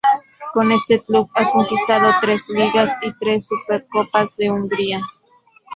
Con este club ha conquistado tres Ligas y tres Supercopas de Hungría.